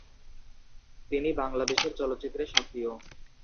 তিনি বাংলাদেশের চলচ্চিত্রে সক্রিয়।